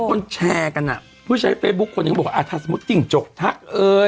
คนแชร์กันผู้ใช้เฟย์บุ๊คคนบอกว่าถ้าสมมติจริงจกทัก